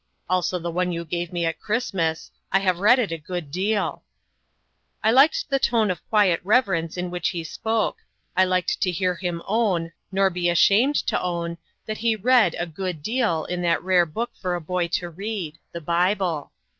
"Also the one you gave me at Christmas. I have read it a good deal." I liked the tone of quiet reverence in which he spoke. I liked to hear him own, nor be ashamed to own that he read "a good deal" in that rare book for a boy to read the Bible.